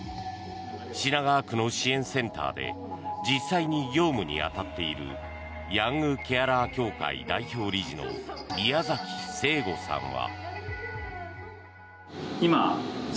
品川区の支援センターで実際に業務に当たっているヤングケアラー協会代表理事の宮崎成悟さんは。